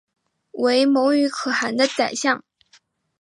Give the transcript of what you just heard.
为牟羽可汗的宰相。